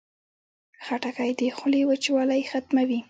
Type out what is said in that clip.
خټکۍ د خولې وچوالی ختموي.